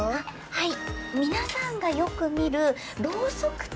はい。